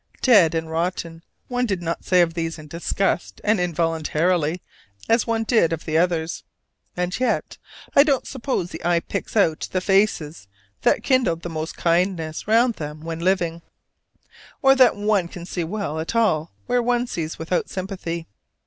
"Dead and rotten" one did not say of these in disgust and involuntarily as one did of the others. And yet I don't suppose the eye picks out the faces that kindled most kindness round them when living, or that one can see well at all where one sees without sympathy.